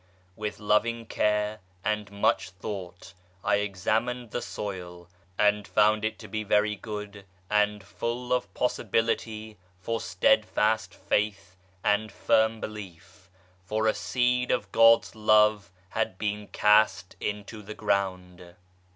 With loving care and much thought I examined the soil, and found it to be very good and full of possibility for steadfast faith and firm belief, for a seed of God's Love had been cast into the ground.